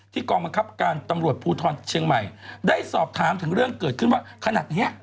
กองบังคับการตำรวจภูทรเชียงใหม่ได้สอบถามถึงเรื่องเกิดขึ้นว่าขนาดเนี้ย